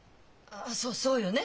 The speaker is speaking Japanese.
あっそそうよね。